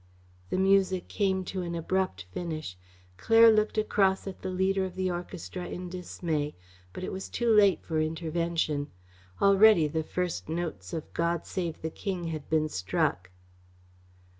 The music came to an abrupt finish. Claire looked across at the leader of the orchestra in dismay, but it was too late for intervention. Already the first notes of "God Save the King" had been struck.